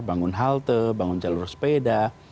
bangun halte bangun jalur sepeda